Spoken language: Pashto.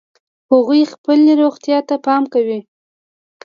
هغوی خپلې روغتیا ته پام کوي